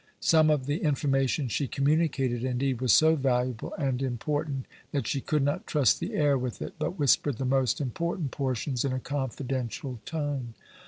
Some of the information she communicated, indeed, was so valuable and important, that she could not trust the air with it, but whispered the most important portions in a confidential tone.